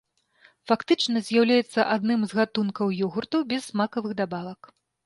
Фактычна з'яўляецца адным з гатункаў ёгурту без смакавых дабавак.